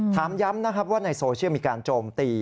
ถามย้ำนะครับว่าในโซเชียลมีการโจมตี